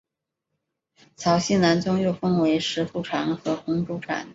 曹溪南宗又分为石头禅和洪州禅。